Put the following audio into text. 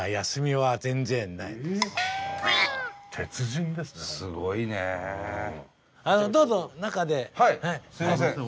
はいすいません